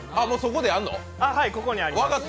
ここにあります。